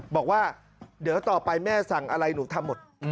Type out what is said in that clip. บอกว่าเดี๋ยวต่อไปแม่สั่งอะไรหนูทำหมด